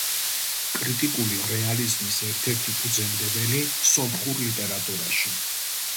კრიტიკული რეალიზმის ერთ-ერთი ფუძემდებელი სომხურ ლიტერატურაში.